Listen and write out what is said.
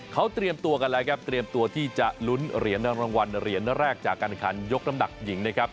เขาเตรียมตัวกันแล้วครับเตรียมตัวที่จะลุ้นเหรียญรางวัลเหรียญแรกจากการขันยกน้ำหนักหญิงนะครับ